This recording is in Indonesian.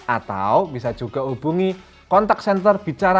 atau bisa juga hubungi kontak senter bicara satu ratus tiga puluh satu